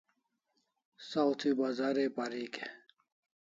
Saw thi Bazar ai parik e?